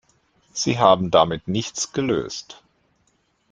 Sie haben damit nichts gelöst.